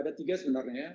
jadi ada tiga sebenarnya